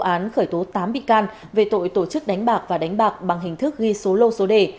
công an huyện quỳnh lưu tỉnh nghệ an vừa tiến hành khởi tố tám bị can về tội tổ chức đánh bạc và đánh bạc bằng hình thức ghi số lô số đề